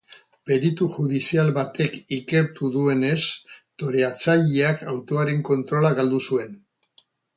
Peritu judizial batek ikertu duenez, toreatzaileak autoaren kontrola galdu zuen.